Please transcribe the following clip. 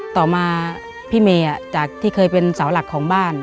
ต่อมาพี่เมย์จากที่เคยเป็นเสาหลักของบ้าน